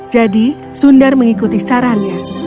jadi sundar mengikuti sarannya